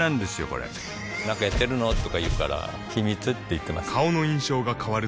これなんかやってるの？とか言うから秘密って言ってます